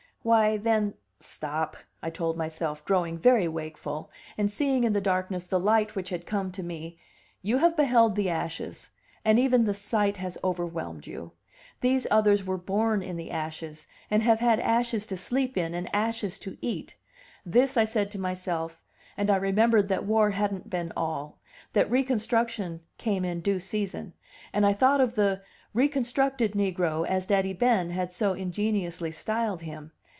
Why then Stop, I told myself, growing very wakeful, and seeing in the darkness the light which had come to me, you have beheld the ashes, and even the sight has overwhelmed you; these others were born in the ashes, and have had ashes to sleep in and ashes to eat. This I said to myself; and I remembered that War hadn't been all; that Reconstruction came in due season; and I thought of the "reconstructed" negro, as Daddy Ben had so ingeniously styled him.